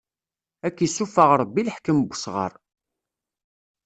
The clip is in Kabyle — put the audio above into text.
Ad k-issufeɣ Ṛebbi leḥkem n usɣaṛ!